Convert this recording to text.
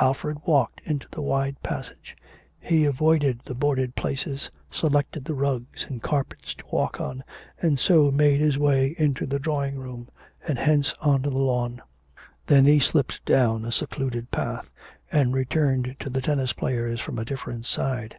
Alfred walked into the wide passage. He avoided the boarded places, selected the rugs and carpets to walk on, and so made his way into the drawing room, and hence on to the lawn. Then he slipped down a secluded path, and returned to the tennis players from a different side.